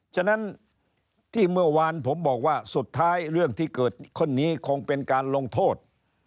ฉะนั้นที่เมื่อวานผมบอกว่าสุดท้ายเรื่องที่เกิดขึ้นนี้คงเป็นการลงโทษ